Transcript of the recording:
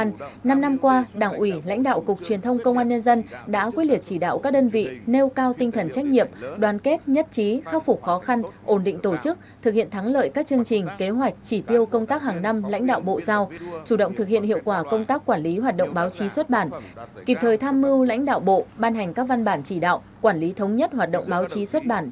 trình bày diễn văn kỷ niệm thiếu tướng đỗ triệu phong bí thư đảng ủy cục trưởng cục truyền thông công an nhân dân đã quyết liệt chỉ đạo các đơn vị nêu cao tinh thần trách nhiệm đoàn kết nhất trí khắc phục khó khăn ổn định tổ chức thực hiện thắng lợi các chương trình kế hoạch chỉ tiêu công tác hàng năm lãnh đạo bộ giao chủ động thực hiện hiệu quả công tác quản lý hoạt động báo chí xuất bản kịp thời tham mưu lãnh đạo bộ ban hành các văn bản chỉ đạo quản lý thống nhất hoạt động báo chí xuất b